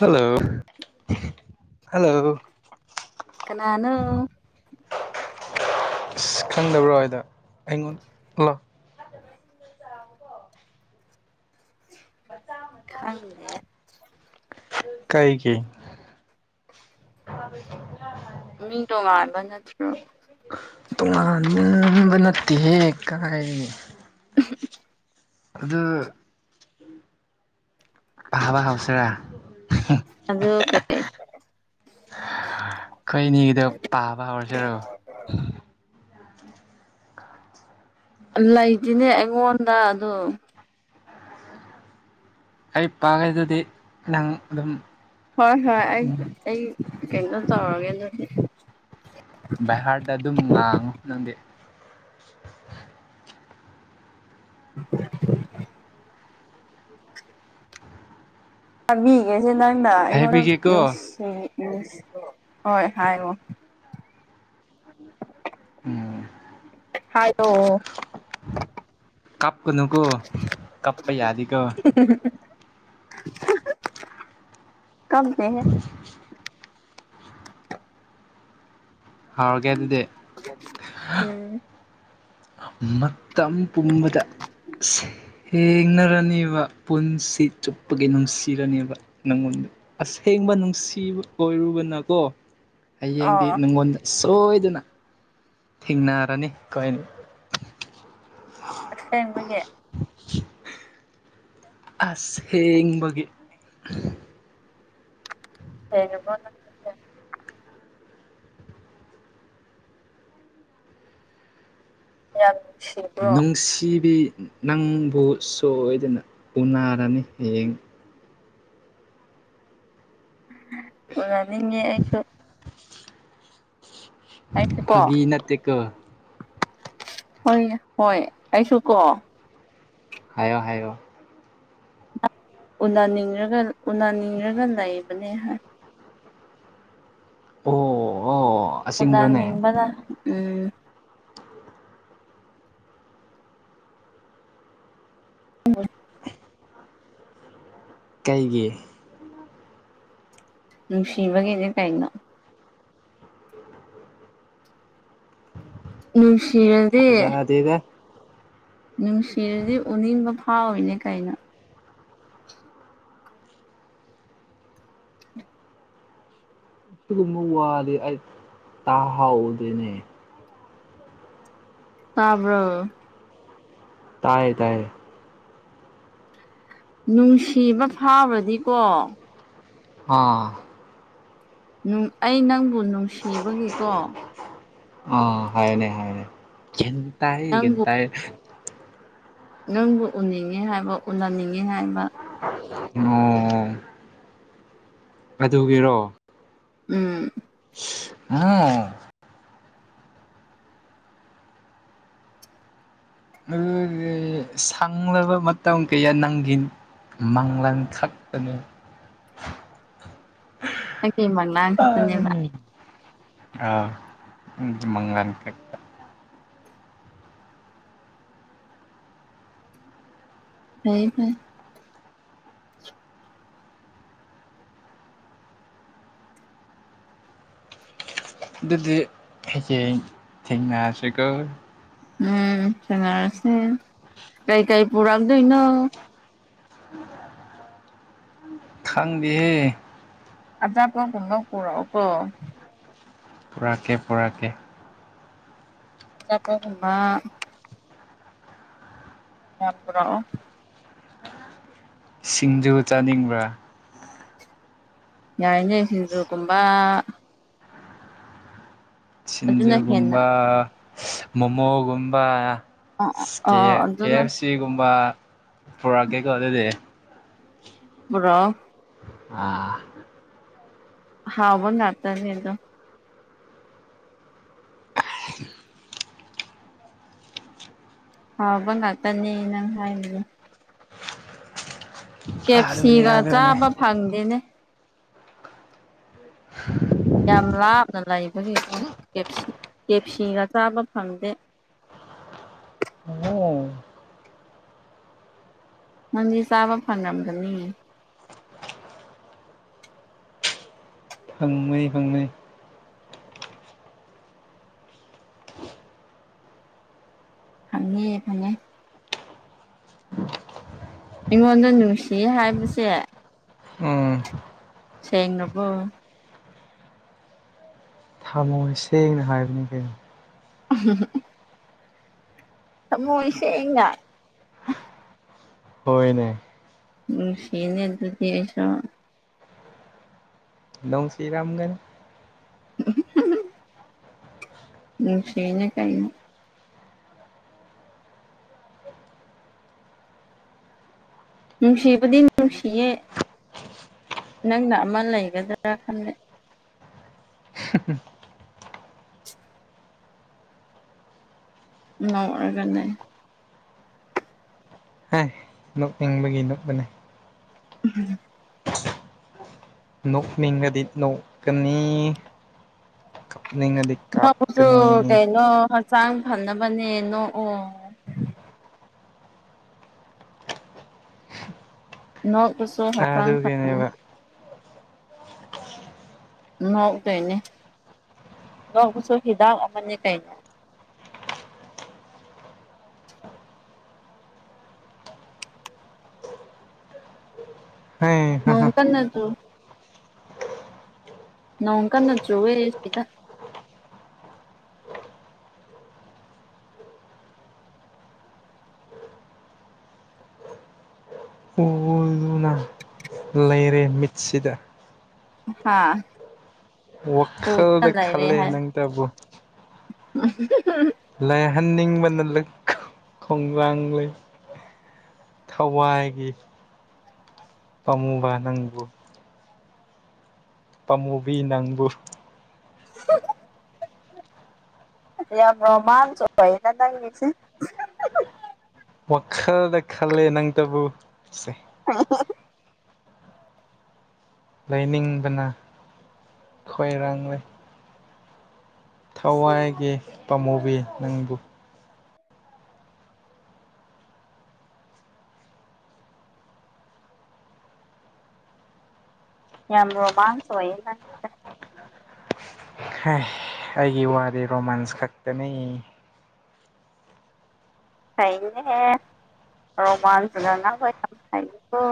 hello hello ꯀꯅꯥꯅꯣ ꯑꯁ ꯈꯪꯗꯕ꯭ꯔꯣ ꯍꯥꯏꯗ ꯑꯩꯉꯣꯟ ꯂꯛ [unintelligible] ꯈꯪꯗꯦ ꯀꯩꯒꯤ ꯃꯤ ꯇꯣꯉꯥꯟꯕ ꯅꯠꯇ꯭ꯔꯣ ꯇꯣ ꯉꯥꯟ ꯕ ꯅꯠꯇꯤꯍꯦ ꯀꯥꯏ [unintelligible] [unintelligible] ꯑꯗꯨ ꯑꯍꯥꯕ ꯍꯥꯎꯁꯤꯔꯥ ꯑꯗꯨ ꯀꯩ ꯑꯩꯈꯣꯏꯅꯤꯒꯤꯗꯣ ꯄꯥꯕ ꯍꯧꯔꯁꯤꯔꯣ ꯂꯩꯇꯦꯅꯦ ꯑꯩꯉꯣꯟꯗ ꯑꯗꯨ ꯑꯩ ꯄꯥꯒꯦ ꯗꯨꯗꯤ ꯅꯪ ꯑꯗꯨꯝ ꯍꯣꯏ ꯍꯣꯏ ꯑꯩ ꯑꯩ ꯀꯩꯅꯣ ꯇꯧꯔꯒꯦ ꯑꯗꯨꯗꯤ ꯕꯥꯏꯍꯥꯔꯠ ꯇꯥ ꯑꯗꯨꯝ ꯉꯥꯡꯉꯣ ꯅꯪꯗꯤ [inaudible] ꯆꯕꯤꯒꯦꯁꯦ ꯅꯪꯅ ꯑꯩꯉꯣꯟꯗ ꯍꯥꯏꯕꯤꯒꯦꯀꯣ ꯅꯨꯡꯁꯤ ꯎ ꯎꯝ ꯍꯣꯏ ꯍꯥꯏꯌꯣ ꯎꯝ ꯍꯥꯏꯌꯣ ꯀꯞ ꯀ ꯅꯨꯀꯣ ꯀꯞꯄꯥꯥ ꯌꯥꯗꯦ ꯀꯣ ꯎꯝ ꯍꯝ ꯎꯝ ꯍꯝ ꯍꯥ ꯍꯥ ꯀꯞꯇꯦꯍꯦ ꯍꯥꯎꯔꯒꯦ ꯑꯗꯨꯗꯤ ꯎꯝ ꯃꯇꯝ ꯄꯨꯝꯕꯗ ꯏꯁ ꯊꯦꯡꯅꯔꯅꯤꯕ ꯄꯨꯟꯁꯤ ꯆꯨꯞꯄꯒꯤ ꯅꯨꯡꯁꯤꯔꯅꯦꯕ ꯅꯪꯉꯣꯟꯗ ꯑꯁꯦꯡꯕ ꯅꯨꯡꯁꯤꯕ ꯑꯣꯏꯔꯨꯕꯅꯀꯣ ꯍꯌꯦꯡꯗꯤ ꯑꯣ ꯅꯪꯉꯣꯟꯗ ꯁꯣꯏꯗꯅ ꯊꯦꯡꯅꯔꯅꯤ ꯑꯈꯣꯏꯅꯤ ꯑꯁꯦꯡꯕꯒꯤ ꯑꯥꯁꯦꯡꯕꯒꯤ ꯁꯦꯡꯉꯥꯕꯣ ꯌꯥꯝ ꯅꯨꯡꯁꯤꯕ꯭ꯔꯣ ꯅꯨꯡꯁꯤꯕꯤ ꯅꯪꯕꯨ ꯁꯣꯏꯗꯅ ꯎꯅꯔꯅꯤ ꯍꯌꯦꯡ ꯎꯅꯥꯅꯤꯡꯉꯦ ꯑꯩꯁꯨ ꯑꯩꯁꯨ ꯀꯣ ꯐꯥꯒꯤ ꯅꯠꯇꯦꯀꯣ ꯍꯣꯏꯅꯦ ꯍꯣꯏ ꯑꯩꯁꯨ ꯀꯣ ꯍꯥꯏꯌꯣ ꯍꯥꯏꯌꯣ ꯎꯟꯅꯅꯤꯡꯔꯒ ꯎꯟꯅꯅꯤꯡꯔꯒ ꯂꯩꯕꯅꯦ ꯑꯣ ꯍꯣ ꯎꯟꯅꯅꯤꯡꯕꯅꯥ ꯎꯝ ꯎꯝ ꯀꯩꯒꯤ ꯅꯨꯡꯁꯤꯕꯒꯤꯅꯦ ꯀꯩꯅꯣ ꯅꯨꯡꯁꯤꯔꯗꯤ ꯗꯦꯗꯥ ꯅꯨꯡꯁꯤꯔꯗꯤ ꯎꯅꯤꯡꯕ ꯐꯥꯎꯔꯤꯅꯦ ꯀꯩꯅꯣ ꯁꯤꯒꯨꯝꯕ ꯋꯥꯗꯤ ꯑꯩ ꯇꯥꯍꯥꯎꯗꯦꯅꯦ ꯇꯕ꯭ꯔꯣ ꯇꯥꯏꯌꯦ ꯇꯥꯏꯌꯦ ꯅꯨꯡꯁꯤꯕ ꯐꯥꯎꯔꯗꯤꯀꯣ ꯑꯥ ꯅꯨꯡ ꯑꯩ ꯅꯪꯕꯨ ꯅꯨꯡꯁꯤꯕꯒꯤꯀꯣ ꯑꯣ ꯍꯥꯏꯌꯦꯅꯦ ꯍꯥꯏꯌꯦꯅꯦ ꯒ꯭ꯌꯥꯟ ꯇꯥꯏꯌꯦ ꯒ꯭ꯌꯥꯟ ꯅꯪꯕꯨ ꯇꯥꯏꯌꯦ ꯅꯪꯕꯨ ꯎꯅꯤꯡꯉꯦ ꯍꯥꯏꯕ ꯎꯟꯅꯅꯤꯡꯉꯦ ꯍꯥꯏꯕ ꯑꯣ ꯑꯣ ꯑꯗꯨꯒꯤꯔꯣ ꯎꯝ [unintelligible] ꯑꯗꯨꯗꯤ ꯁꯪꯂꯕ ꯃꯇꯝ ꯀꯌꯥ ꯅꯪꯒꯤꯅꯤ ꯃꯪꯂꯥꯟ ꯈꯛꯇꯅꯤ ꯑꯩꯒꯤ ꯃꯪꯂꯥꯟ ꯈꯛꯇꯅꯦꯕ ꯑꯥꯏ ꯑ ꯎꯝ ꯃꯪꯂꯥꯟ ꯈꯛ ꯐꯩ ꯐꯩ ꯑꯗꯨꯗꯤ ꯍꯌꯦꯡ ꯊꯦꯡꯅꯔꯁꯤꯀꯣ ꯎꯝ ꯊ‌ꯦꯡꯅꯔꯁꯦ ꯀꯩꯀꯩ ꯄꯨꯔꯛꯗꯨꯏꯅꯣ [inaudible] ꯈꯪꯗꯦꯍꯦ ꯑꯆꯥꯄꯣꯠꯀꯨꯝꯕ ꯄꯨꯔꯛꯎꯀꯣ ꯄꯨꯔꯛꯀꯦ ꯄꯨꯔꯛꯀꯦ ꯆꯥꯄ‌ꯣꯠꯀꯨꯝꯕ ꯌꯥꯝ ꯄꯨꯔꯛꯑꯣ ꯁꯤꯡꯖꯨ ꯆꯥꯅꯤꯡꯕ꯭ꯔꯥ ꯌꯥꯏꯅꯦ ꯁꯤꯡꯖꯨꯒꯨꯝꯕ ꯑꯗꯨꯅ ꯍꯦꯟꯅ ꯁꯤꯟꯖꯨꯒꯨꯝꯕ ꯃꯣꯃꯣꯒꯨꯝꯕ ꯑ ꯁꯁ ꯑ ꯀꯦ ꯀꯦ ꯑꯗꯨꯅ ꯑꯦꯐ ꯁꯤꯒꯨꯝꯕ ꯄꯨꯔꯛꯀꯦꯀꯣ ꯑꯗꯨꯗꯤ ꯄꯨꯔꯛꯑꯣ ꯑꯥ ꯑꯍꯥꯎꯕ ꯉꯥꯇꯅ‌ꯦ ꯑꯗ‌ꯣ ꯍꯥꯎꯕ ꯉꯥꯛꯇꯅꯦ ꯅꯪ ꯍꯥꯏꯔꯤꯗ‌ꯣ ꯀꯦ ꯑ‌ꯦꯞ ꯑꯗꯨꯅꯦ ꯁꯤꯒ ꯑꯗꯨꯅꯦ ꯆꯥꯕ ꯐꯪꯗꯦꯅꯦ [unintelligible] ꯌꯥꯝ ꯂꯥꯞꯅ ꯂꯩꯕꯒꯤꯀ‌ꯣ ꯀ‌ꯦꯞꯁꯤ ꯀꯦ ꯑꯦꯞ ꯁꯤꯒ ꯆꯥꯕ ꯐꯪꯗꯦ ꯎꯝ ꯅꯪꯗꯤ ꯆꯥꯕ ꯐꯪꯉꯝꯒꯅꯤ ꯐꯪꯕꯅ‌ꯦ ꯐꯪꯕꯅ‌ꯦ ꯐꯪꯉ‌ꯦ ꯐꯪꯉ‍ꯦ ꯑꯩꯉꯣꯟꯗ ꯅꯨꯡꯁꯤꯌ‌ꯦ ꯍꯥꯏꯕꯁꯦ ꯎꯝ ꯁꯦꯡꯅꯕꯣ ꯊꯝꯃꯣꯏ ꯁꯦꯡꯅ ꯍꯥꯏꯕꯅꯤ ꯀꯩꯅꯣ [unintelligible] ꯊꯝꯃ‌ꯣꯏ ꯁꯦꯡꯅ ꯍꯣꯏꯅꯦ ꯅꯨꯡꯁꯤꯌ‌ꯦꯅꯦ ꯑꯗꯨꯗꯤ ꯑꯩꯁꯨ ꯅꯨꯡꯁꯤꯔꯝꯒꯅꯤ ꯅꯨꯡꯁꯤꯅꯦ ꯀꯩꯅ‌ꯣ ꯅꯨꯡꯁꯤꯕꯗꯤ ꯅꯨꯡꯁꯤꯌꯦ ꯅꯪꯅ ꯑꯃ ꯂꯩꯒꯗ꯭ꯔꯥ ꯈꯜꯂꯦ [unintelligible] [unintelligible] ꯍꯥꯏ ꯅꯣꯛꯅꯤꯡꯕꯒꯤ ꯅ‌ꯣꯛꯄꯅ‌ꯦ [unintelligible] ꯅꯣꯛꯅꯤꯡꯉꯗꯤ ꯅꯣꯛꯀꯅꯤ ꯀꯞꯅꯤꯡꯉꯗꯤ ꯅ‌ꯣꯛꯄꯁꯨ ꯀꯥꯞꯀꯅꯤ ꯀꯩꯅꯣ ꯍꯛꯆꯥꯡ ꯐꯅꯕꯅꯦ ꯅꯣꯛꯑꯣ ꯅꯣꯏꯀꯨꯁꯨ ꯍꯛꯆꯥꯡ ꯐꯠꯄꯅꯦ ꯑꯗꯨꯒꯤꯅꯦꯕ ꯉꯛꯇꯣꯏꯅꯦ ꯉꯛꯄꯁꯨ ꯍꯤꯗꯥꯛ ꯑꯃꯅꯤ ꯀꯩ ꯍꯩ ꯍꯥ ꯍꯥ ꯅꯨꯉꯥꯏꯕ ꯅꯠꯇ꯭ꯔꯣ ꯅꯣꯡ ꯀꯟꯅ ꯆꯨꯋꯦꯁꯤꯗ ꯄꯣꯂꯨꯅ ꯑꯩ ꯃꯤꯠꯁꯤꯗ ꯍꯥꯥ ꯋꯥꯈꯜꯗ ꯂꯩꯔꯦ ꯈꯜꯂꯦ ꯍꯥꯏ ꯅꯪꯇꯕꯨ [unintelligible] ꯂꯥꯛꯍꯟꯅꯤꯡꯕꯅ [unintelligible] ꯈꯧꯂꯥꯡ ꯂꯩ ꯊꯋꯥꯏꯒꯤ ꯄꯥꯝꯃꯨꯕ ꯅꯪꯕꯨ ꯄꯥꯝꯃꯨꯕꯤ ꯅꯪꯕꯨ [unintelligible] ꯌꯥꯝ ꯔꯣꯃꯁ ꯑꯣꯏꯗ ꯅꯪꯒꯤꯁꯤ ꯋꯥꯈꯜꯗ ꯈꯜꯂꯦ ꯅꯪꯇꯕꯨ ꯁꯦ [unintelligible] ꯂꯩꯅꯤꯡꯕꯅ ꯈꯣꯏꯔꯥꯡꯔꯦ ꯊꯋꯥꯏꯒꯤ ꯄꯥꯝꯃꯨꯕꯤ ꯅꯪꯕꯨ ꯌꯥꯝ ꯔꯣꯃꯥꯟꯁ ꯑꯣꯏꯌꯦ ꯍꯥ ꯑꯩꯒꯤ ꯋꯥꯗꯤ ꯔꯣꯃꯥꯟꯁ ꯈꯛꯇꯅꯤ ꯍꯩꯕꯅꯤꯍꯦ ꯔꯣꯃꯥꯟꯁ [unintelligible] ꯍꯩꯀꯣ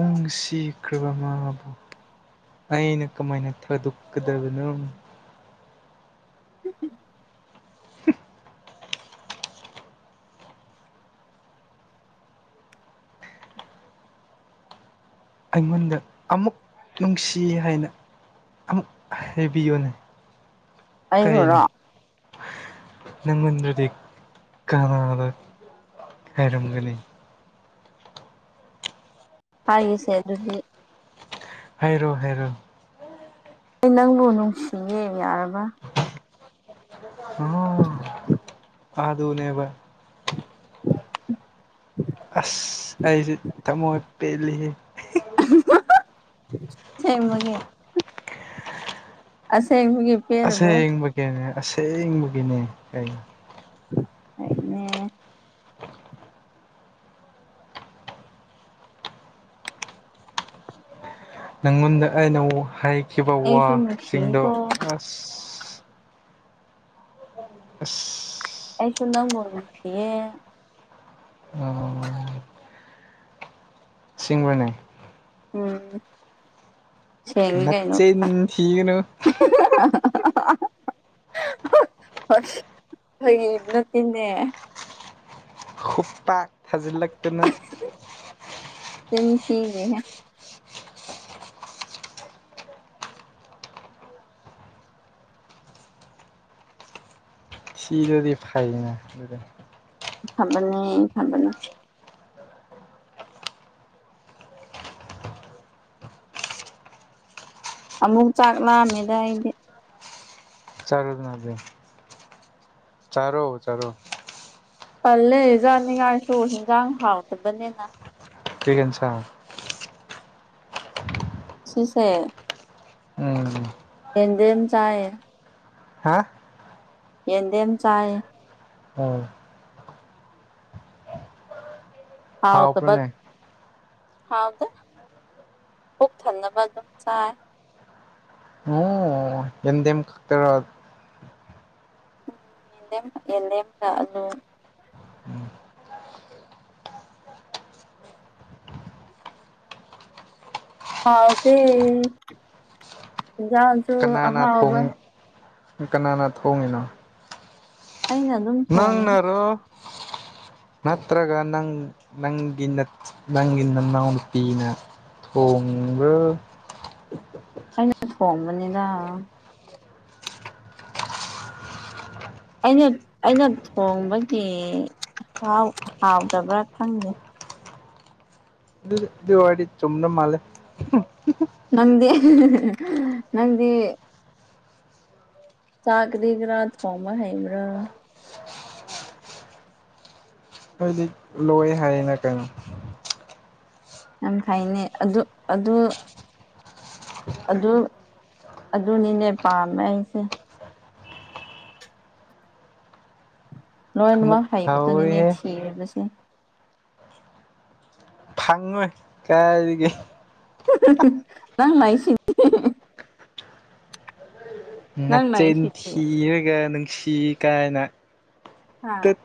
ꯅꯨꯡꯁꯤꯈ꯭ꯔꯕ ꯃꯥꯕꯨ ꯑꯩꯅ ꯀꯃꯥꯏꯅ ꯊꯥꯗꯣꯛꯀꯗꯕꯅꯣ [unintelligible] ꯑꯩꯉꯣꯟꯗ ꯑꯃꯨꯛ ꯅꯨꯡꯁꯤ ꯍꯥꯏꯅ ꯑꯃꯨꯛ ꯍꯥꯏꯕꯤꯌꯨꯅꯦ ꯀꯩꯅꯣ ꯑꯩꯕꯨꯔꯣ ꯅꯪꯉꯣꯟꯗꯗꯤ ꯀꯅꯥꯗ ꯍꯥꯏꯔꯝꯒꯅꯤ ꯍꯥꯏꯒꯦꯁꯦ ꯑꯗꯨꯗꯤ ꯍꯥꯏꯔꯣ ꯍꯥꯏꯔꯣ ꯑꯩ ꯅꯪꯕꯨ ꯅꯨꯡꯁꯤꯌꯦ ꯌꯥꯔꯕ [unintelligible] ꯑꯗꯨꯅꯦꯕ [unintelligible] ꯑꯁ ꯑꯩꯗꯤ ꯊꯥꯃꯣꯏ ꯄꯦꯜꯂꯤꯍꯦ [unintelligible] ꯑꯁꯦꯡꯕꯒꯤ ꯑꯁꯦꯡꯕꯒꯤ ꯄꯦꯜꯂꯕꯣ ꯑꯁꯦꯡꯕꯒꯤꯅꯦ ꯑꯁꯦꯡꯕꯒꯤꯅꯦ ꯀꯩꯅꯣ ꯑꯩꯅꯦ ꯅꯪꯉꯣꯟꯗ ꯑꯩꯅ ꯍꯥꯏꯈꯤꯕ ꯑꯩꯁꯨ ꯋꯥꯁꯤꯡꯗꯣ ꯅꯨꯡꯁꯤꯀꯣ ꯑꯥ ꯑꯁ ꯑꯩꯁꯨ ꯅꯪꯕꯨ ꯅꯨꯡꯁꯤꯌꯦ ꯑꯣ ꯁꯤꯡꯕ꯭ꯔꯅꯦ ꯎꯝ ꯁꯦꯡꯉꯤ ꯀꯩꯅꯣ ꯅꯆꯤꯟ ꯊꯤꯒꯅꯨ [unintelligible] ꯐꯩ ꯅꯠꯇꯦꯅ ꯈꯨꯞꯄꯥꯛ ꯊꯥꯖꯤꯜꯂꯛꯇꯅ ꯇꯤꯟ ꯇꯅꯦ ꯁꯤꯗ꯭ꯔꯗꯤ ꯐꯥꯏꯅ ꯑꯗꯨꯗ ꯊꯝꯕꯅꯦ ꯊꯝꯕꯅꯦ ꯑꯃꯨꯛ ꯆꯥꯛ ꯂꯥꯝꯃꯦꯗ ꯑꯩꯗꯤ ꯆꯔꯣꯗꯅ ꯑꯗꯤ ꯆꯔꯣ ꯆꯔꯣ ꯄꯜꯂꯦ ꯖꯥꯅꯤꯡꯉꯥꯏꯁꯨ ꯍꯤꯡꯖꯥꯡ ꯍꯥꯎꯇꯕꯅꯤꯅ ꯀ꯭ꯔꯤ ꯏꯟꯁꯥꯡ ꯁꯤꯁꯦ ꯎꯝ ꯌꯦꯟꯗꯦꯝ ꯆꯥꯏ ꯍꯥ ꯌꯦꯟꯗꯦꯝ ꯆꯥꯌꯦ ꯑꯥ ꯍꯥꯎꯇꯕ ꯍꯥꯎꯕ꯭ꯔꯅꯦ ꯍꯥꯎꯗ ꯄꯨꯛ ꯊꯟꯅꯕ ꯑꯗꯨꯝ ꯆꯥꯏ ꯑꯥ ꯌꯦꯟꯗꯦꯝ ꯈꯛꯇꯔꯣ ꯌꯦꯟꯗꯦꯝ ꯌꯦꯟꯗꯦꯝꯒ ꯑꯂꯨ ꯍꯥꯎꯇꯦ ꯍꯤꯟꯖꯥꯡ ꯀꯅꯥꯅ ꯊꯣꯡ ꯀꯅꯥꯅ ꯊꯣꯡꯉꯤꯅꯣ ꯑꯩꯅ ꯑꯗꯨꯝ ꯊꯣꯡꯉꯤꯗ ꯅꯪꯅꯔꯣ ꯅꯠꯇ꯭ꯔꯒ ꯅꯪ ꯅꯪꯒꯤꯅ ꯅꯪꯒꯤ ꯅꯅꯥꯎ ꯅꯨꯄꯤꯅ ꯍꯣꯡꯕ꯭ꯔꯣ ꯑꯩꯅ ꯊꯣꯡꯕꯅꯤꯗ ꯑꯩꯅ ꯑꯩꯅ ꯊꯣꯡꯕꯒꯤ ꯍꯥꯎ ꯍꯥꯎꯇꯕ꯭ꯔꯥ ꯈꯪꯗꯦ ꯑꯗꯨꯗꯤ ꯑꯗꯨ ꯑꯣꯏꯔꯗꯤ ꯆꯨꯝꯅ ꯃꯥꯂꯦ [unintelligible] ꯅꯪꯗꯤ ꯅꯪꯗꯤ ꯆꯥ ꯒꯔꯤ ꯒꯔꯥ ꯊꯣꯡꯕ ꯍꯩꯕ꯭ꯔꯣ ꯑꯩꯗꯤ ꯂꯣꯏ ꯍꯥꯏꯌꯦꯅ ꯀꯩꯅꯣ ꯌꯥꯝ ꯐꯩꯅꯦ ꯑꯗꯨ ꯑꯗꯨ ꯑꯗꯨ ꯑꯗꯨꯅꯤꯅꯦ ꯄꯥꯝꯃꯩꯁꯦ ꯑꯃꯨꯛ ꯂꯣꯏꯅꯃꯛ ꯍꯩꯕꯗꯨꯅꯤꯅꯦ ꯍꯧꯔꯦꯍꯦ ꯊꯤꯔꯤꯕꯁꯦ ꯐꯪꯉꯣꯏ ꯀꯥꯏꯗꯒꯤ ꯅꯪ ꯂꯩꯁꯤꯗꯤ ꯅꯪ ꯅꯠꯆꯤꯟ ꯂꯩꯁꯤꯗꯤ ꯊꯤꯔꯒ ꯅꯨꯡꯁꯤ ꯀꯥꯏꯅ ꯍꯥ ꯇꯠ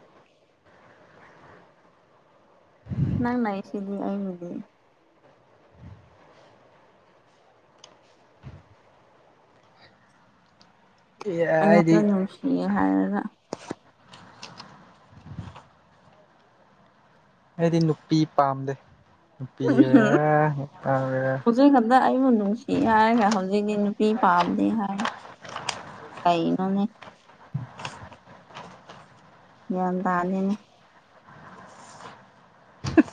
ꯅꯪ ꯂꯩꯁꯤꯗꯤ ꯑꯩꯒꯤꯗꯤ ꯑꯩꯉꯣꯟꯗ ꯑꯩꯗꯤ ꯅꯨꯡꯁꯤꯌꯦ ꯍꯥꯏꯔꯒ ꯑꯩꯗꯤ ꯅꯨꯄꯤ ꯄꯥꯝꯗꯦ ꯅꯨꯄꯤ ꯑꯣꯏꯦꯔꯥ ꯅꯨꯄꯥ ꯑꯣꯏꯦꯔꯥ ꯍꯧꯖꯤꯛ ꯈꯛꯇ ꯑꯩꯕꯨ ꯅꯨꯡꯁꯤ ꯍꯥꯏꯔꯒ ꯍꯧꯖꯤꯛꯇꯤ ꯅꯨꯄꯤ ꯄꯥꯝꯗꯦ ꯍꯥꯏ ꯀꯩꯅꯣꯅꯦ ꯒꯌꯥꯟ ꯇꯥꯗꯦꯅꯦ